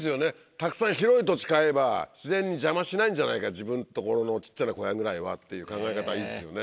たくさん広い土地買えば自然に邪魔しないんじゃないか自分の所の小っちゃな小屋ぐらいはっていう考え方いいですよね。